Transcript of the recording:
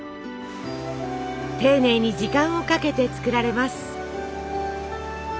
丁寧に時間をかけて作られます。